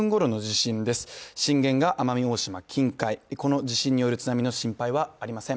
震源が奄美大島近海、この地震による津波の心配はありません。